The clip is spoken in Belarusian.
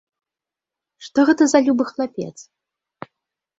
Што гэта за любы хлапец!